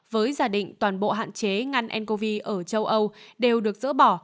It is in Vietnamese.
với giả định toàn bộ hạn chế ngăn ncov ở châu âu đều được dỡ bỏ